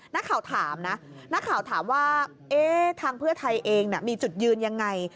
นักข่าวถามว่าทางเพื่อไทยเองมีจุดยืนยังไง